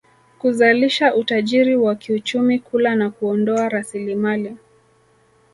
kuzalisha utajiri wa kiuchumi kula na kuondoa rasilimali